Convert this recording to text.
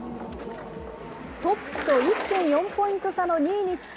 トップと１．４ポイント差の２位につけ